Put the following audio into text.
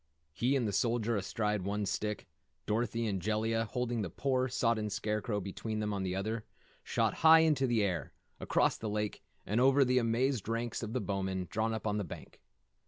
He and the Soldier astride one stick, Dorothy and Jellia, holding the poor, sodden Scarecrow between them on the other, shot high into the air, across the lake and over the amazed ranks of Bowmen drawn up on the bank.